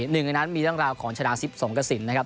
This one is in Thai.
หนึ่งในนั้นมีเรื่องราวของชนะทิพย์สงกระสินนะครับ